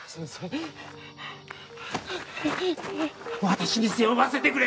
私に背負わせてくれ！